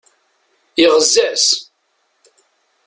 Yeɣza-as.